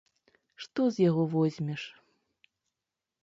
Што з яго возьмеш?